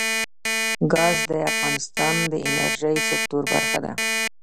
ګاز د افغانستان د انرژۍ سکتور برخه ده.